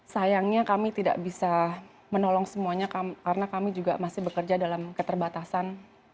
sayangnya kami tidak bisa menolong semuanya karena kami juga masih bekerja dalam keterbatasan